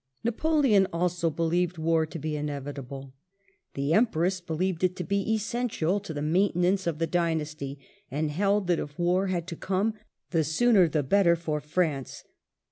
Napoleon also believed war to be inevitable ; the Empress be lieved it to be essential to the maintenance of the dynasty, and held that if war had to come the sooner the better for France.